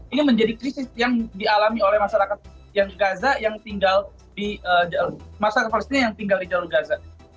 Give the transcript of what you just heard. ini menjadi krisis yang dialami oleh masyarakat yang gaza yang tinggal di masyarakat palestina yang tinggal di jalur gaza